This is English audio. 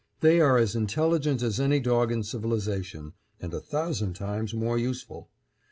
They are as intelligent as any dog in civilization, and a thousand times more useful.